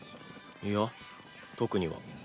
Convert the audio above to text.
いや特には。